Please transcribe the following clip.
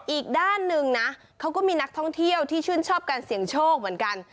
อีกด้านหนึ่งนะเขาก็มีนักท่องเที่ยวที่ชื่นชอบการเสี่ยงโชคเหมือนกัน